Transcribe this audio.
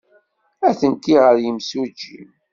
Atenti ɣer yimsujji.